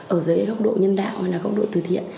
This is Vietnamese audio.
ở dưới góc độ nhân đạo hay là góc độ từ thiện